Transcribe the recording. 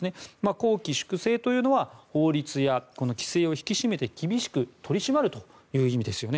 綱紀粛正というのは法律や規制を引き締めて厳しく取り締まるという意味ですよね。